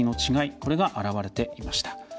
これが表れていました。